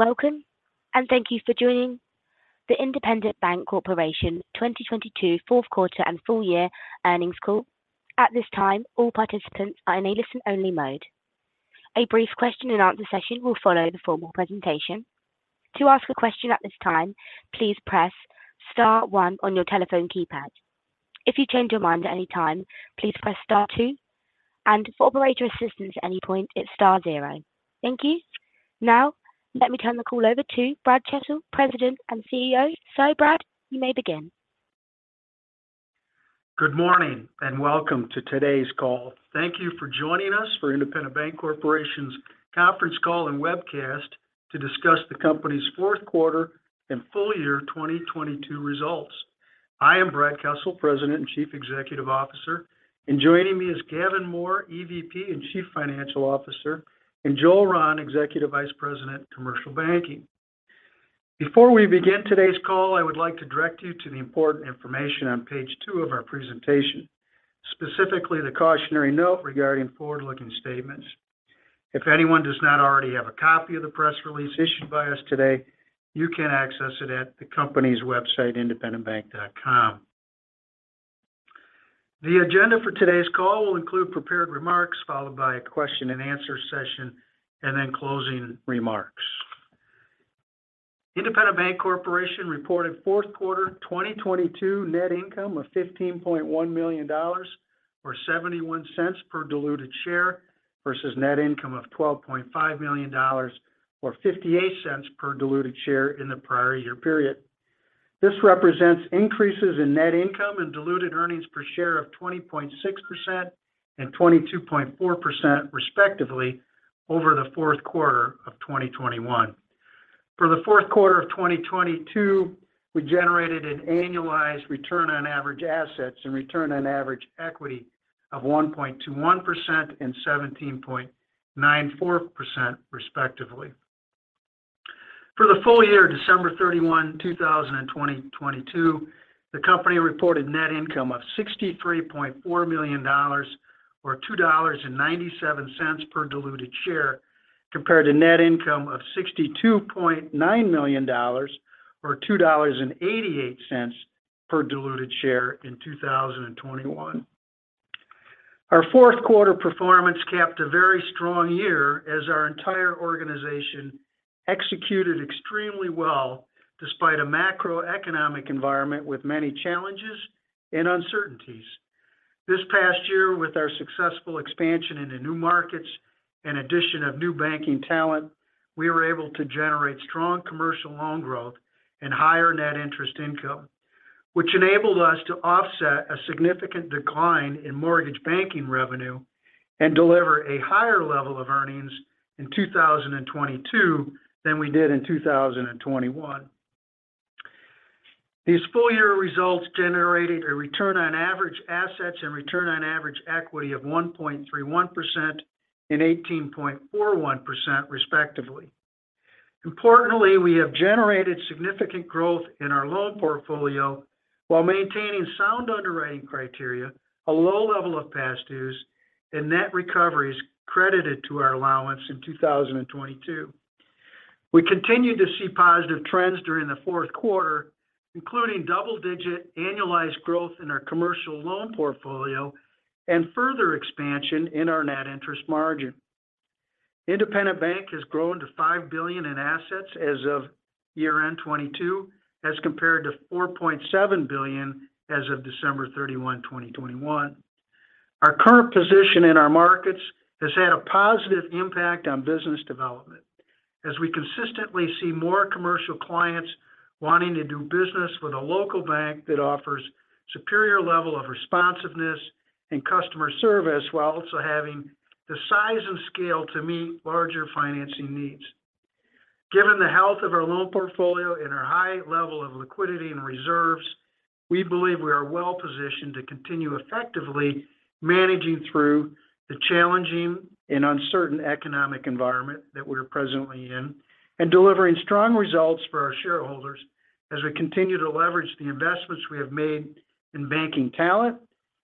Welcome, thank you for joining the Independent Bank Corporation 2022 fourth quarter and full year earnings call. At this time, all participants are in a listen-only mode. A brief question and answer session will follow the formal presentation. To ask a question at this time, please press star one on your telephone keypad. If you change your mind at any time, please press star two and for operator assistance at any point, it's star zero. Thank you. Now, let me turn the call over to Brad Kessel, President and CEO. Brad, you may begin. Good morning and welcome to today's call. Thank you for joining us for Independent Bank Corporation's conference call and webcast to discuss the company's fourth quarter and full year 2022 results. I am Brad Kessel, President and Chief Executive Officer, and joining me is Gavin Mohr, EVP and Chief Financial Officer, and Joel Rahn, Executive Vice President, Commercial Banking. Before we begin today's call, I would like to direct you to the important information on page two of our presentation, specifically the cautionary note regarding forward-looking statements. If anyone does not already have a copy of the press release issued by us today, you can access it at the company's website, independentbank.com. The agenda for today's call will include prepared remarks, followed by a question and answer session, and then closing remarks. Independent Bank Corporation reported fourth quarter 2022 net income of $15.1 million or $0.71 per diluted share versus net income of $12.5 million or $0.58 per diluted share in the prior year period. This represents increases in net income and diluted earnings per share of 20.6% and 22.4% respectively over the fourth quarter of 2021. For the fourth quarter of 2022, we generated an annualized return on average assets and return on average equity of 1.21% and 17.94% respectively. For the full year December 31, 2022, the company reported net income of $63.4 million or $2.97 per diluted share compared to net income of $62.9 million or $2.88 per diluted share in 2021. Our fourth quarter performance capped a very strong year as our entire organization executed extremely well despite a macroeconomic environment with many challenges and uncertainties. This past year, with our successful expansion into new markets and addition of new banking talent, we were able to generate strong commercial loan growth and higher net interest income, which enabled us to offset a significant decline in mortgage banking revenue and deliver a higher level of earnings in 2022 than we did in 2021. These full year results generated a return on average assets and return on average equity of 1.31% and 18.41% respectively. Importantly, we have generated significant growth in our loan portfolio while maintaining sound underwriting criteria, a low level of past dues and net recoveries credited to our allowance in 2022. We continue to see positive trends during the fourth quarter, including double-digit annualized growth in our commercial loan portfolio and further expansion in our net interest margin. Independent Bank has grown to $5 billion in assets as of year-end 2022 as compared to $4.7 billion as of December 31, 2021. Our current position in our markets has had a positive impact on business development as we consistently see more commercial clients wanting to do business with a local bank that offers superior level of responsiveness and customer service while also having the size and scale to meet larger financing needs. Given the health of our loan portfolio and our high level of liquidity and reserves, we believe we are well positioned to continue effectively managing through the challenging and uncertain economic environment that we're presently in and delivering strong results for our shareholders as we continue to leverage the investments we have made in banking talent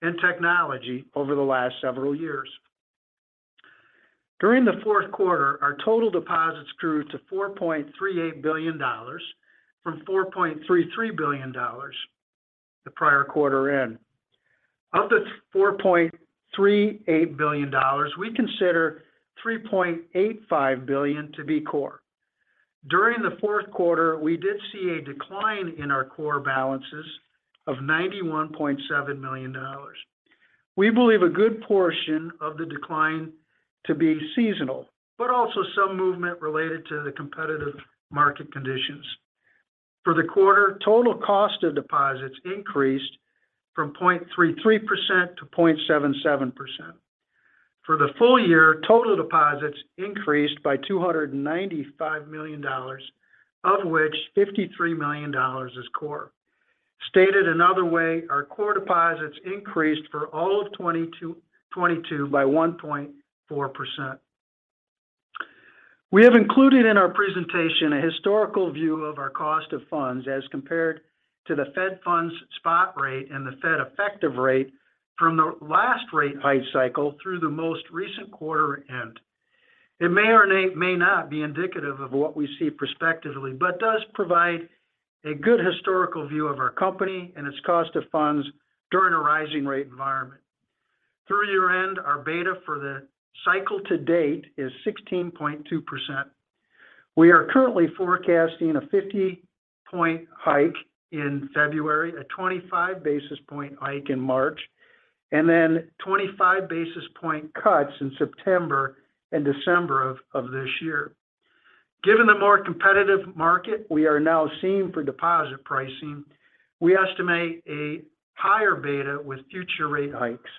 and technology over the last several years. During the fourth quarter, our total deposits grew to $4.38 billion from $4.33 billion the prior quarter end. Of the $4.38 billion, we consider $3.85 billion to be core. During the fourth quarter, we did see a decline in our core balances of $91.7 million. We believe a good portion of the decline to be seasonal, but also some movement related to the competitive market conditions. For the quarter, total cost of deposits increased from 0.33% to 0.77%. For the full year, total deposits increased by $295 million, of which $53 million is core. Stated another way, our core deposits increased for all of 2022 by 1.4%. We have included in our presentation a historical view of our cost of funds as compared to the Fed funds spot rate and the Fed effective rate from the last rate hike cycle through the most recent quarter end. It may or may not be indicative of what we see prospectively, but does provide a good historical view of our company and its cost of funds during a rising rate environment. Through year-end, our beta for the cycle to date is 16.2%. We are currently forecasting a 50-point hike in February, a 25 basis point hike in March, and then 25 basis point cuts in September and December of this year. Given the more competitive market we are now seeing for deposit pricing, we estimate a higher beta with future rate hikes.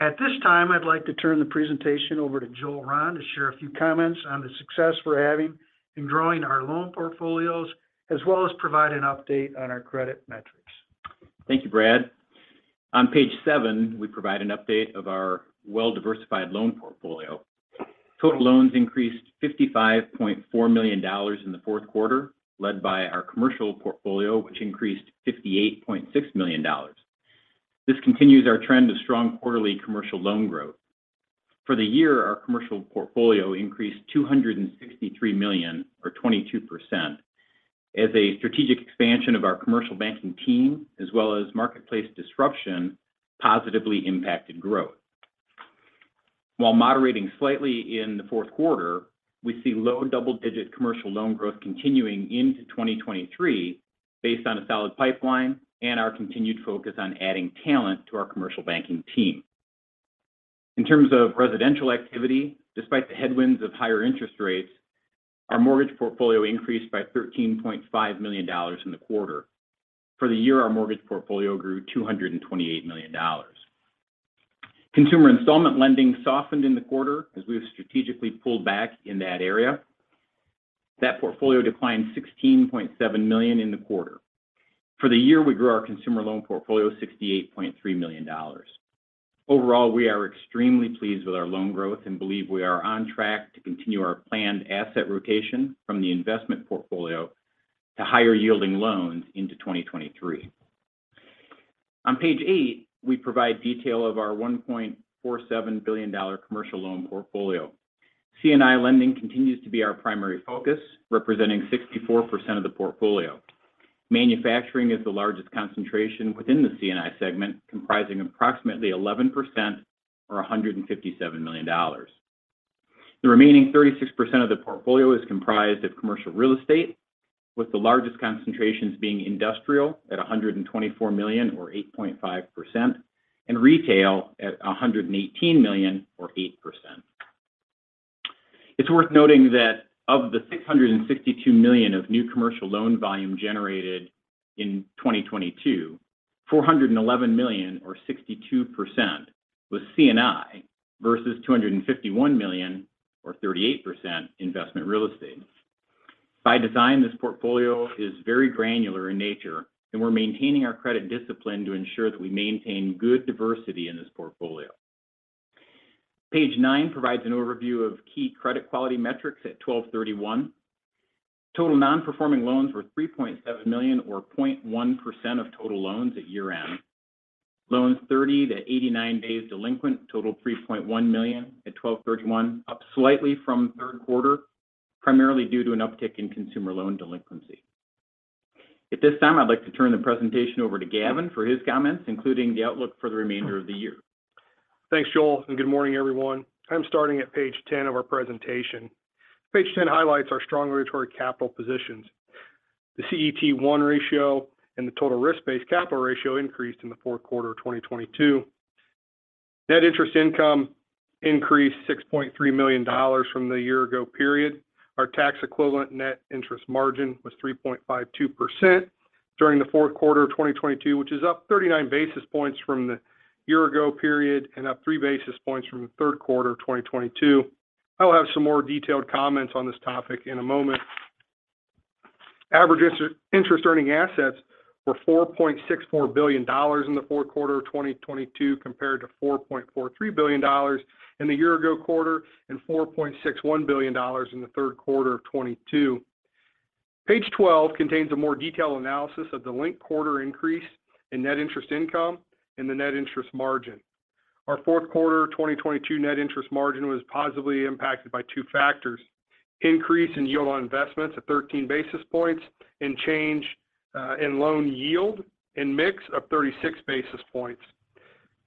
At this time, I'd like to turn the presentation over to Joel Rahn to share a few comments on the success we're having in growing our loan portfolios, as well as provide an update on our credit metrics. Thank you, Brad. On page 7, we provide an update of our well-diversified loan portfolio. Total loans increased $55.4 million in the fourth quarter, led by our commercial portfolio which increased $58.6 million. This continues our trend of strong quarterly commercial loan growth. For the year, our commercial portfolio increased $263 million or 22% as a strategic expansion of our commercial banking team as well as marketplace disruption positively impacted growth. While moderating slightly in the fourth quarter, we see low double-digit commercial loan growth continuing into 2023 based on a solid pipeline and our continued focus on adding talent to our commercial banking team. In terms of residential activity, despite the headwinds of higher interest rates, our mortgage portfolio increased by $13.5 million in the quarter. For the year, our mortgage portfolio grew $228 million. Consumer installment lending softened in the quarter as we have strategically pulled back in that area. That portfolio declined $16.7 million in the quarter. For the year, we grew our consumer loan portfolio $68.3 million. Overall, we are extremely pleased with our loan growth and believe we are on track to continue our planned asset rotation from the investment portfolio to higher yielding loans into 2023. On page 8, we provide detail of our $1.47 billion commercial loan portfolio. C&I lending continues to be our primary focus, representing 64% of the portfolio. Manufacturing is the largest concentration within the C&I segment, comprising approximately 11% or $157 million. The remaining 36% of the portfolio is comprised of commercial real estate, with the largest concentrations being industrial at $124 million or 8.5%, and retail at $118 million or 8%. It's worth noting that of the $662 million of new commercial loan volume generated in 2022, $411 million or 62% was C&I versus $251 million or 38% investment real estate. By design, this portfolio is very granular in nature, and we're maintaining our credit discipline to ensure that we maintain good diversity in this portfolio. Page 9 provides an overview of key credit quality metrics at 12/31. Total non-performing loans were $3.7 million or 0.1% of total loans at year-end. Loans 30-89 days delinquent totaled $3.1 million at 12/31, up slightly from third quarter, primarily due to an uptick in consumer loan delinquency. At this time, I'd like to turn the presentation over to Gavin for his comments, including the outlook for the remainder of the year. Thanks, Joel. Good morning, everyone. I'm starting at page 10 of our presentation. Page 10 highlights our strong regulatory capital positions. The CET1 ratio and the total risk-based capital ratio increased in the fourth quarter of 2022. Net interest income increased $6.3 million from the year-ago period. Our tax-equivalent net interest margin was 3.52% during the fourth quarter of 2022, which is up 39 basis points from the year-ago period and up 3 basis points from the third quarter of 2022. I will have some more detailed comments on this topic in a moment. Average inter-interest earning assets were $4.64 billion in the fourth quarter of 2022 compared to $4.43 billion in the year ago quarter and $4.61 billion in the third quarter of 2022. Page 12 contains a more detailed analysis of the linked quarter increase in net interest income and the net interest margin. Our fourth quarter of 2022 net interest margin was positively impacted by two factors: increase in yield on investments of 13 basis points and change in loan yield and mix of 36 basis points.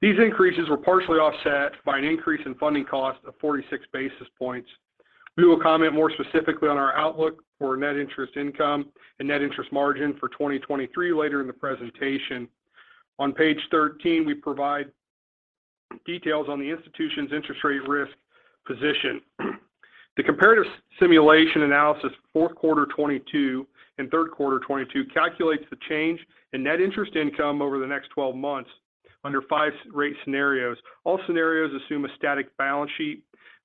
These increases were partially offset by an increase in funding cost of 46 basis points. We will comment more specifically on our outlook for net interest income and net interest margin for 2023 later in the presentation. On page 13, we provide details on the institution's interest rate risk position. The comparative simulation analysis fourth quarter 2022 and third quarter 2022 calculates the change in net interest income over the next 12 months under five rate scenarios. All scenarios assume a static balance sheet.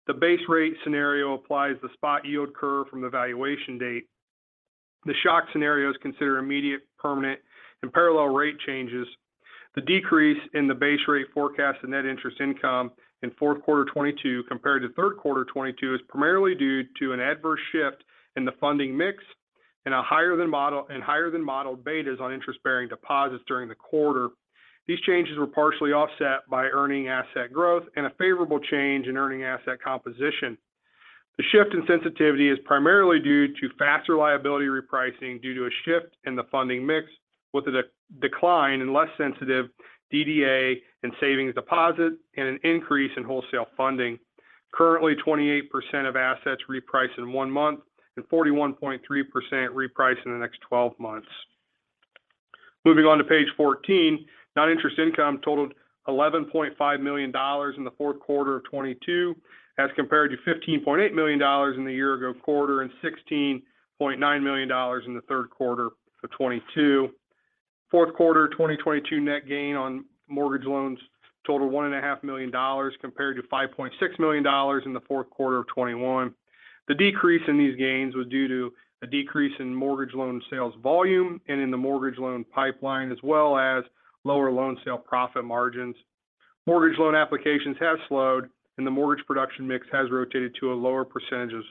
The base rate scenario applies the spot yield curve from the valuation date. The shock scenarios consider immediate, permanent, and parallel rate changes. The decrease in the base rate forecast and net interest income in fourth quarter 2022 compared to third quarter 2022 is primarily due to an adverse shift in the funding mix and higher than modeled betas on interest-bearing deposits during the quarter. These changes were partially offset by earning asset growth and a favorable change in earning asset composition. The shift in sensitivity is primarily due to faster liability repricing due to a shift in the funding mix with a decline in less sensitive DDA and savings deposit and an increase in wholesale funding. Currently, 28% of assets reprice in one month and 41.3% reprice in the next 12 months. Moving on to page 14, non-interest income totaled $11.5 million in the fourth quarter of 2022 as compared to $15.8 million in the year ago quarter and $16.9 million in the third quarter of 2022. Fourth quarter 2022 net gain on mortgage loans totaled one and a half million dollars compared to $5.6 million in the fourth quarter of 2021. The decrease in these gains was due to a decrease in mortgage loan sales volume and in the mortgage loan pipeline, as well as lower loan sale profit margins. Mortgage loan applications have slowed and the mortgage production mix has rotated to a lower percentage of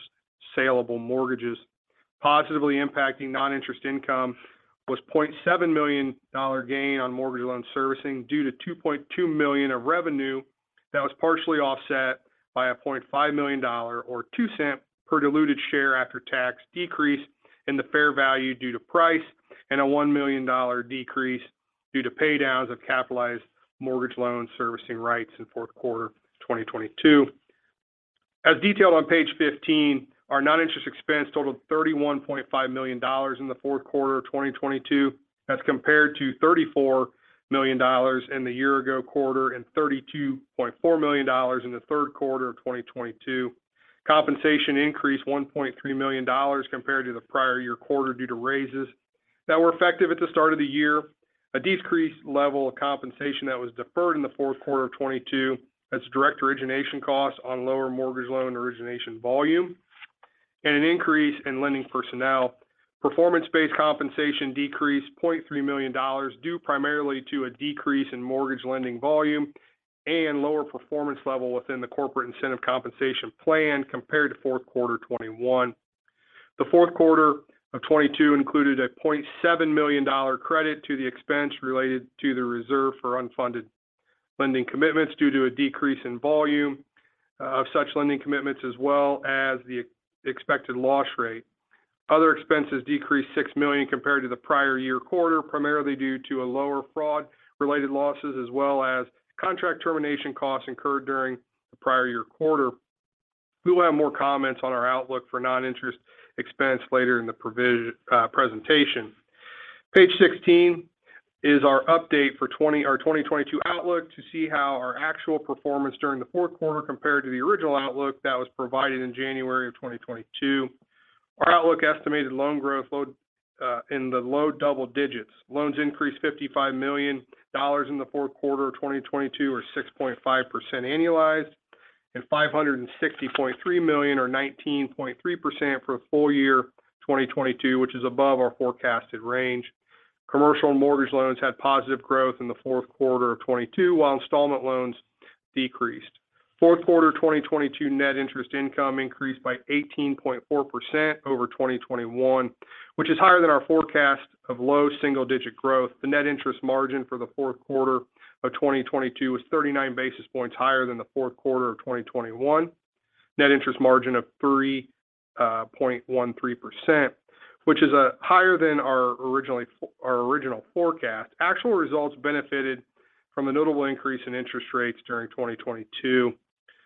saleable mortgages. Positively impacting non-interest income was a $0.7 million gain on mortgage loan servicing due to $2.2 million of revenue that was partially offset by a $0.5 million or $0.02 per diluted share after tax decrease in the fair value due to price and a $1 million decrease due to pay downs of capitalized mortgage loan servicing rights in fourth quarter 2022. As detailed on page 15, our non-interest expense totaled $31.5 million in the fourth quarter of 2022 as compared to $34 million in the year ago quarter and $32.4 million in the third quarter of 2022. Compensation increased $1.3 million compared to the prior year quarter due to raises that were effective at the start of the year. A decreased level of compensation that was deferred in the fourth quarter of 2022 as direct origination costs on lower mortgage loan origination volume and an increase in lending personnel. Performance-based compensation decreased $0.3 million due primarily to a decrease in mortgage lending volume and lower performance level within the corporate incentive compensation plan compared to fourth quarter 2021. The fourth quarter of 22 included a $0.7 million credit to the expense related to the reserve for unfunded lending commitments due to a decrease in volume of such lending commitments, as well as the expected loss rate. Other expenses decreased $6 million compared to the prior year quarter, primarily due to a lower fraud-related losses, as well as contract termination costs incurred during the prior year quarter. We will have more comments on our outlook for non-interest expense later in the provision, presentation. Page 16 is our update for our 2022 outlook to see how our actual performance during the fourth quarter compared to the original outlook that was provided in January of 2022. Our outlook estimated loan growth load in the low double digits. Loans increased $55 million in the fourth quarter of 2022 or 6.5% annualized and $560.3 million or 19.3% for full year 2022, which is above our forecasted range. Commercial and mortgage loans had positive growth in the fourth quarter of 2022 while installment loans decreased. Fourth quarter 2022 net interest income increased by 18.4% over 2021 which is higher than our forecast of low single digit growth. The net interest margin for the fourth quarter of 2022 was 39 basis points higher than the fourth quarter of 2021. Net interest margin of 3.13% which is higher than our original forecast. Actual results benefited from a notable increase in interest rates during 2022.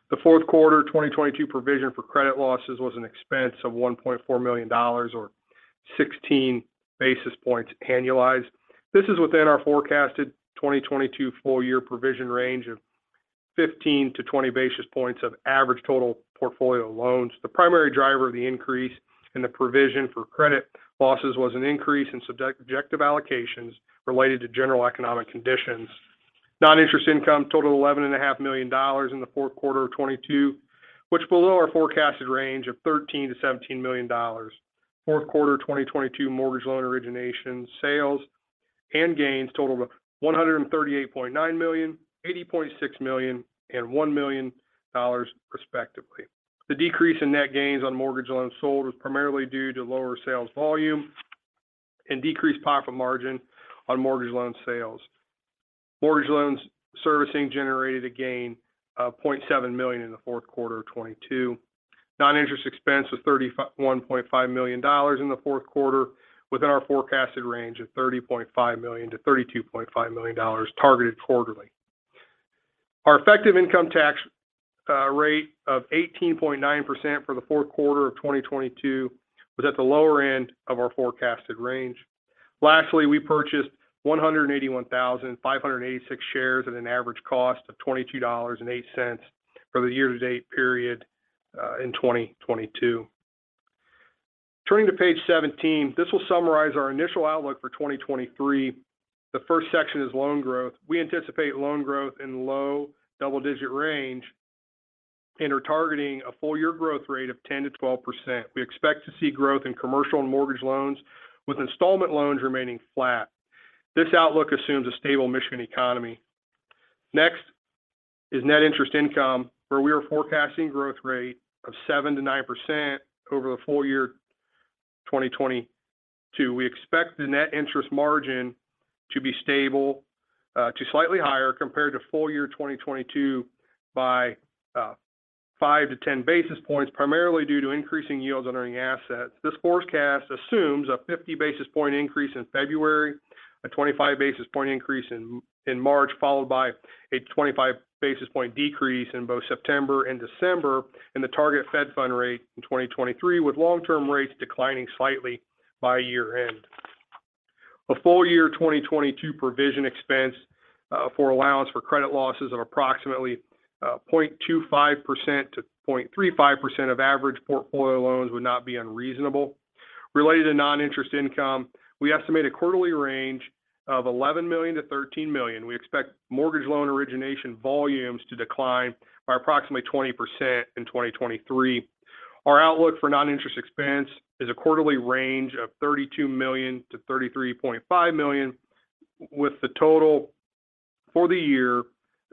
The fourth quarter 2022 provision for credit losses was an expense of $1.4 million or 16 basis points annualized. This is within our forecasted 2022 full year provision range of 15-20 basis points of average total portfolio loans. The primary driver of the increase in the provision for credit losses was an increase in subjective allocations related to general economic conditions. Non-interest income totaled $11.5 million in the fourth quarter of 2022 which below our forecasted range of $13 million-$17 million. Fourth quarter 2022 mortgage loan origination sales and gains totaled $138.9 million, $80.6 million and $1 million respectively. The decrease in net gains on mortgage loans sold was primarily due to lower sales volume and decreased profit margin on mortgage loan sales. Mortgage loans servicing generated a gain of $0.7 million in the fourth quarter of 2022. Non-interest expense was $31.5 million in the fourth quarter within our forecasted range of $30.5 million-$32.5 million targeted quarterly. Our effective income tax rate of 18.9% for the fourth quarter of 2022 was at the lower end of our forecasted range. Lastly, we purchased 181,586 shares at an average cost of $22.08 for the year to date period in 2022. Turning to page 17, this will summarize our initial outlook for 2023. The first section is loan growth. We anticipate loan growth in low double digit range. Are targeting a full year growth rate of 10%-12%. We expect to see growth in commercial and mortgage loans with installment loans remaining flat. This outlook assumes a stable Michigan economy. Next is net interest income, where we are forecasting growth rate of 7%-9% over the full year 2022. We expect the net interest margin to be stable to slightly higher compared to full year 2022 by 5-10 basis points, primarily due to increasing yields on earning assets. This forecast assumes a 50 basis point increase in February, a 25 basis point increase in March, followed by a 25 basis point decrease in both September and December, and the target Fed funds rate in 2023, with long term rates declining slightly by year end. A full year 2022 provision expense for allowance for credit losses of approximately 0.25%-0.35% of average portfolio loans would not be unreasonable. Related to non-interest income, we estimate a quarterly range of $11 million-$13 million. We expect mortgage loan origination volumes to decline by approximately 20% in 2023. Our outlook for non-interest expense is a quarterly range of $32 million-$33.5 million, with the total for the year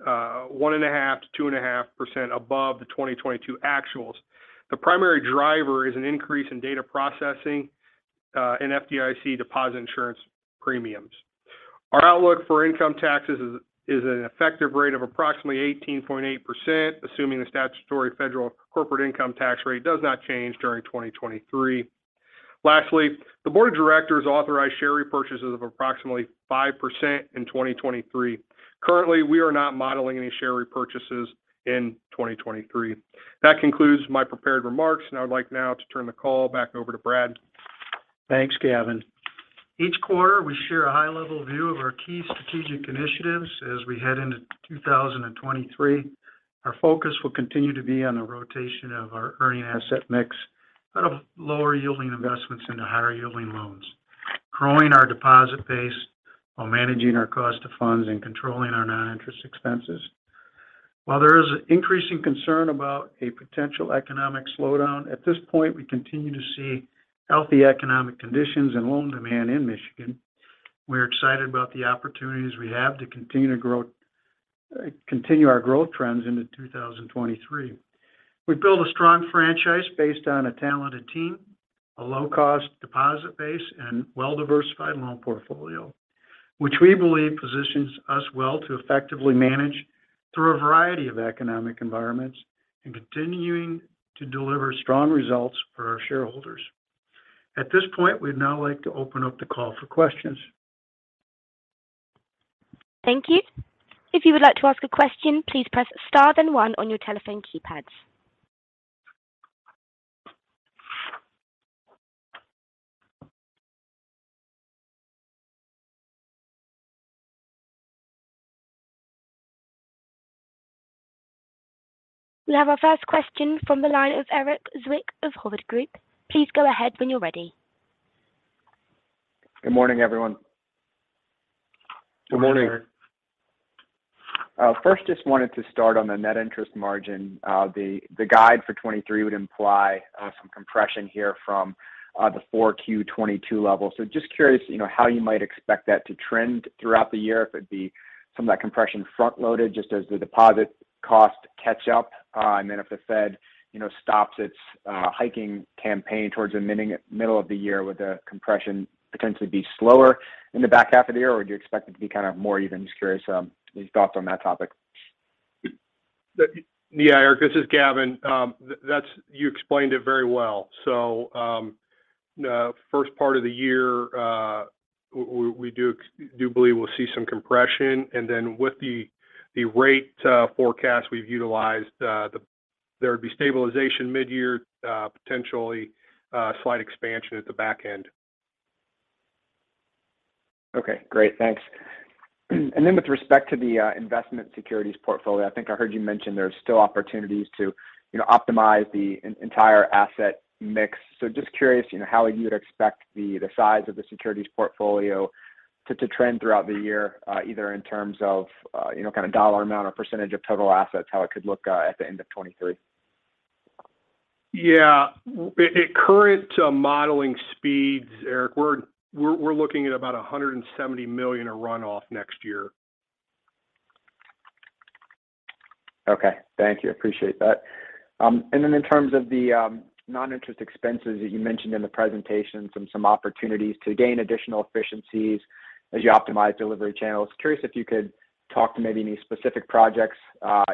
1.5%-2.5% above the 2022 actuals. The primary driver is an increase in data processing and FDIC deposit insurance premiums. Our outlook for income taxes is an effective rate of approximately 18.8%, assuming the statutory federal corporate income tax rate does not change during 2023. The board of directors authorized share repurchases of approximately 5% in 2023. Currently, we are not modeling any share repurchases in 2023. That concludes my prepared remarks, and I would like now to turn the call back over to Brad. Thanks, Gavin. Each quarter, we share a high-level view of our key strategic initiatives as we head into 2023. Our focus will continue to be on the rotation of our earning asset mix out of lower yielding investments into higher yielding loans. Growing our deposit base while managing our cost of funds and controlling our non-interest expenses. While there is increasing concern about a potential economic slowdown, at this point, we continue to see healthy economic conditions and loan demand in Michigan. We're excited about the opportunities we have to continue our growth trends into 2023. We've built a strong franchise based on a talented team, a low-cost deposit base, and well-diversified loan portfolio, which we believe positions us well to effectively manage through a variety of economic environments and continuing to deliver strong results for our shareholders. At this point, we'd now like to open up the call for questions. Thank you. If you would like to ask a question, please press star then 1 on your telephone keypads. We'll have our first question from the line of Erik Zwick of Hovde Group. Please go ahead when you're ready. Good morning, everyone. Good morning, Erik. Good morning. First, just wanted to start on the net interest margin. The guide for 2023 would imply some compression here from the Q4 2022 level. Just curious, you know, how you might expect that to trend throughout the year. If it'd be some of that compression front-loaded just as the deposit cost catch up. If the Fed, you know, stops its hiking campaign towards the middle of the year, would the compression potentially be slower in the back half of the year, or do you expect it to be kind of more even? Just curious, your thoughts on that topic. Yeah, Erik, this is Gavin. You explained it very well. First part of the year, we do believe we'll see some compression. With the rate forecast we've utilized, there would be stabilization mid-year, potentially slight expansion at the back end. Okay. Great. Thanks. With respect to the investment securities portfolio, I think I heard you mention there's still opportunities to, you know, optimize the entire asset mix. Just curious, you know, how you would expect the size of the securities portfolio to trend throughout the year, either in terms of, you know, kind of dollar amount or % of total assets, how it could look at the end of 23? Yeah. At current modeling speeds, Erik, we're looking at about $170 million of run off next year. Okay. Thank you. Appreciate that. In terms of the non-interest expenses that you mentioned in the presentation, some opportunities to gain additional efficiencies as you optimize delivery channels. Curious if you could talk to maybe any specific projects,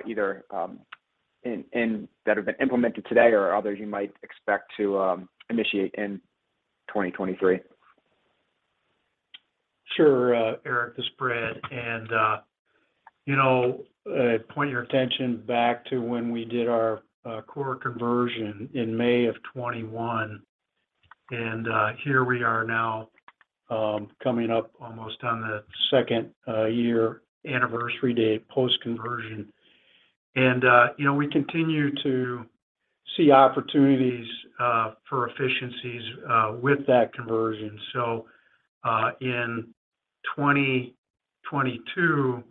either that have been implemented today or others you might expect to initiate in 2023? Sure, Erik. This is Brad. You know, point your attention back to when we did our core conversion in May of 2021. Here we are now, coming up almost on the second year anniversary date post-conversion. You know, we continue to see opportunities for efficiencies with that conversion. In 2022,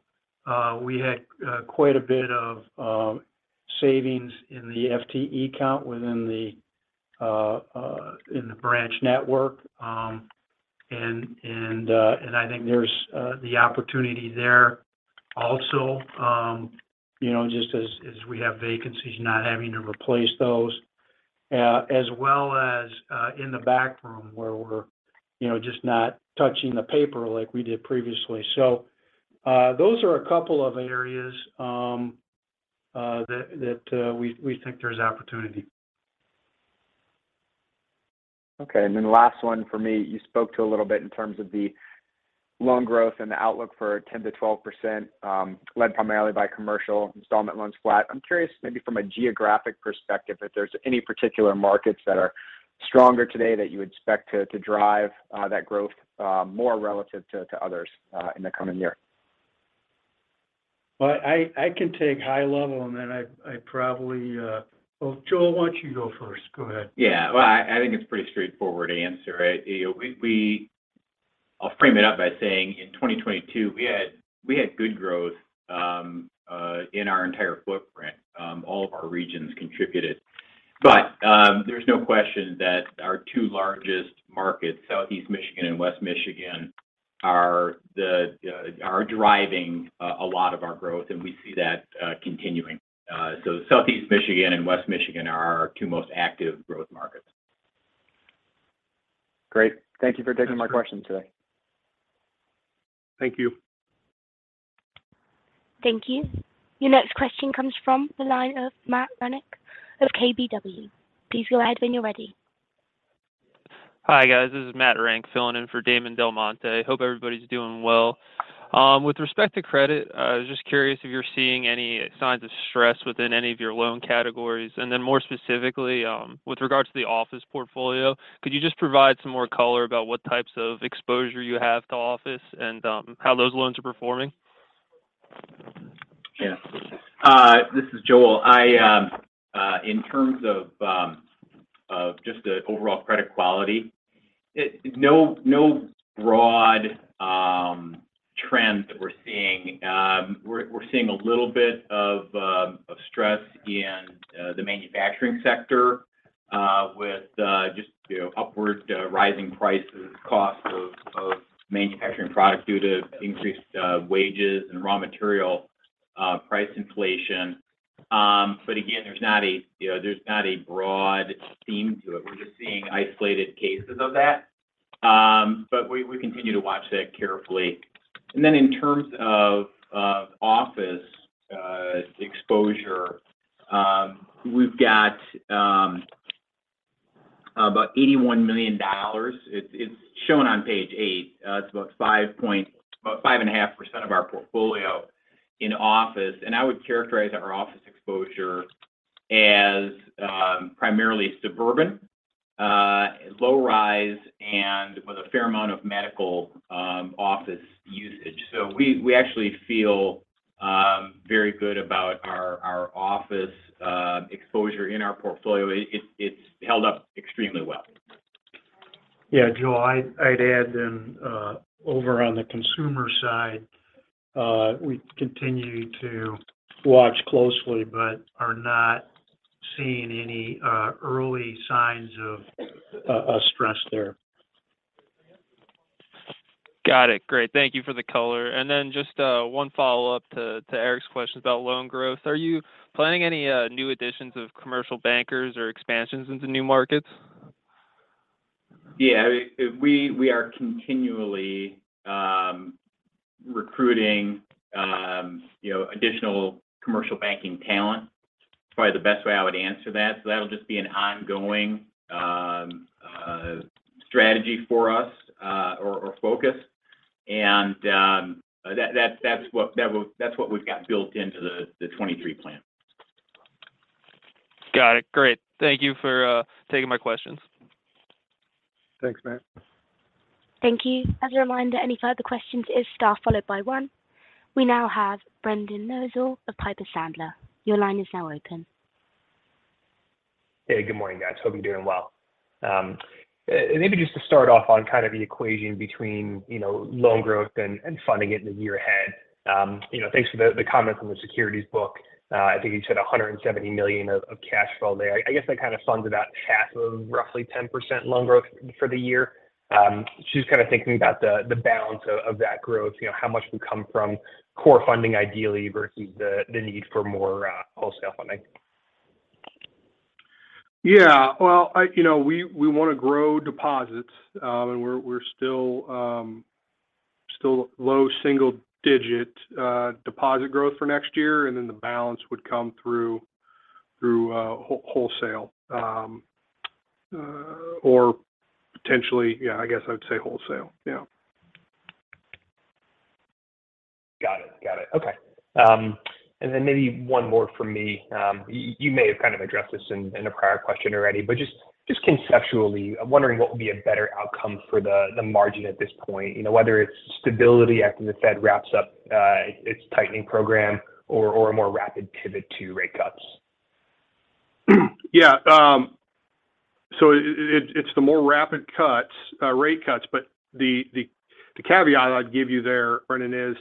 we had quite a bit of savings in the FTE count within the in the branch network. I think there's the opportunity there also, you know, just as we have vacancies, not having to replace those, as well as in the back room where we're, you know, just not touching the paper like we did previously. Those are a couple of areas, that we think there's opportunity. Okay. Last one for me. You spoke to a little bit in terms of the loan growth and the outlook for 10%-12%, led primarily by commercial installment loans flat. I'm curious maybe from a geographic perspective if there's any particular markets that are stronger today that you expect to drive that growth more relative to others in the coming year. Well, Joel, why don't you go first? Go ahead. Yeah. Well, I think it's a pretty straightforward answer, right? You know, I'll frame it up by saying in 2022 we had good growth in our entire footprint. All of our regions contributed. There's no question that our two largest markets, Southeast Michigan and West Michigan, are driving a lot of our growth, and we see that continuing. Southeast Michigan and West Michigan are our two most active growth markets. Great. Thank you for taking my questions today. Thank you. Thank you. Your next question comes from the line of Matthew Renck of KBW. Please go ahead when you're ready. Hi, guys. This is Matthew Renck filling in for Damon DelMonte. Hope everybody's doing well. With respect to credit, I was just curious if you're seeing any signs of stress within any of your loan categories. More specifically, with regards to the office portfolio, could you just provide some more color about what types of exposure you have to office and, how those loans are performing? Yeah. This is Joel. I, in terms of just the overall credit quality, no broad trends that we're seeing. We're seeing a little bit of stress in the manufacturing sector, with just, you know, upward rising prices, cost of manufacturing product due to increased wages and raw material price inflation. Again, there's not a, you know, there's not a broad theme to it. We're just seeing isolated cases of that. We continue to watch that carefully. In terms of office exposure, we've got about $81 million. It's shown on page 8. It's about 5.5% of our portfolio in office. I would characterize our office exposure as primarily suburban, low rise and with a fair amount of medical, office usage. We actually feel very good about our office exposure in our portfolio. It's held up extremely well. Yeah. Joel, I'd add then, over on the consumer side, we continue to watch closely but are not seeing any early signs of stress there. Got it. Great. Thank you for the color. Just one follow-up to Erik's questions about loan growth. Are you planning any new additions of commercial bankers or expansions into new markets? Yeah. We are continually recruiting, you know, additional commercial banking talent. It's probably the best way I would answer that. That'll just be an ongoing strategy for us or focus and that's what we've got built into the 2023 plan. Got it. Great. Thank you for taking my questions. Thanks, Matt. Thank you. As a reminder, any further questions is star followed by one. We now have Brendan Loesel of Piper Sandler. Your line is now open. Hey, good morning, guys. Hope you're doing well. Maybe just to start off on kind of the equation between, you know, loan growth and funding it in the year ahead. You know, thanks for the comments on the securities book. I think you said $170 million of cash flow there. I guess that kind of funds about half of roughly 10% loan growth for the year. Just kind of thinking about the balance of that growth, you know, how much would come from core funding ideally versus the need for more wholesale funding? Yeah. Well, you know, we wanna grow deposits, and we're still low single digit deposit growth for next year, and then the balance would come through wholesale or potentially, yeah, I guess I would say wholesale, yeah. Got it. Got it. Okay. Then maybe one more from me. You may have kind of addressed this in a prior question already, but just conceptually, I'm wondering what would be a better outcome for the margin at this point. You know, whether it's stability after the Fed wraps up its tightening program or a more rapid pivot to rate cuts? Yeah. It's the more rapid cuts, rate cuts. The caveat I'd give you there, Brendan, is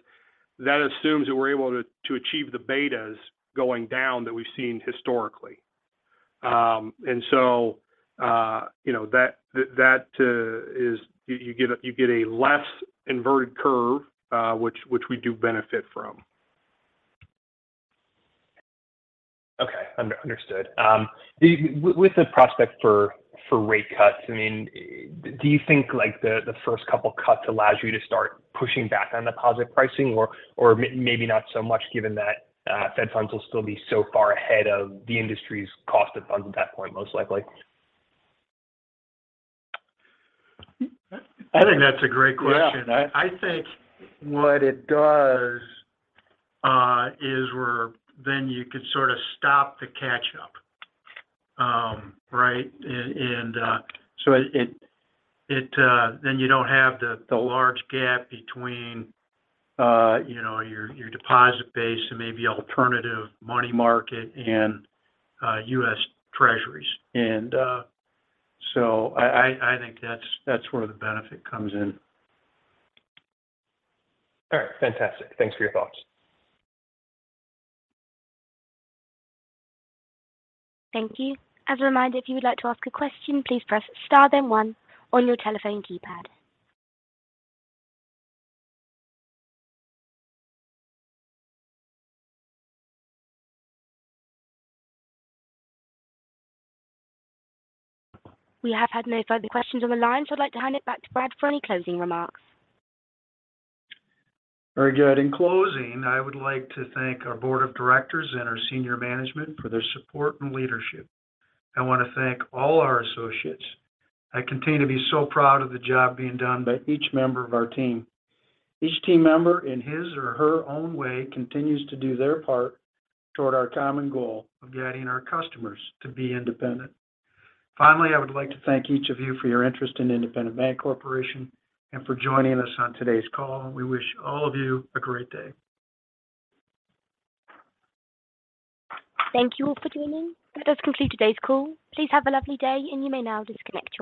that assumes that we're able to achieve the betas going down that we've seen historically. You know, that is you get a less inverted curve, which we do benefit from. Okay. Under-understood. The prospect for rate cuts, I mean, do you think like the first couple of cuts allows you to start pushing back on deposit pricing or maybe not so much given that Federal funds will still be so far ahead of the industry's cost of funds at that point, most likely? I think that's a great question. Yeah. I think what it does is then you could sort of stop the catch up. Right? It then you don't have the large gap between, you know, your deposit base and maybe alternative money market and U.S. Treasuries. I think that's where the benefit comes in. All right. Fantastic. Thanks for your thoughts. Thank you. As a reminder, if you would like to ask a question, please press star then one on your telephone keypad. We have had no further questions on the line. I'd like to hand it back to Brad for any closing remarks. Very good. In closing, I would like to thank our board of directors and our senior management for their support and leadership. I want to thank all our associates. I continue to be so proud of the job being done by each member of our team. Each team member in his or her own way continues to do their part toward our common goal of guiding our customers to be independent. Finally, I would like to thank each of you for your interest in Independent Bank Corporation and for joining us on today's call. We wish all of you a great day. Thank you all for joining. That does conclude today's call. Please have a lovely day, and you may now disconnect your lines.